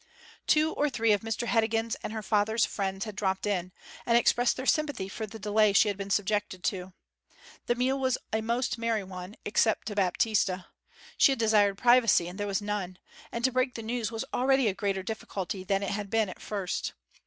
Two or three of Mr Heddegan's and her father's friends had dropped in, and expressed their sympathy for the delay she had been subjected to. The meal was a most merry one except to Baptista. She had desired privacy, and there was none; and to break the news was already a greater difficulty than it had been at first.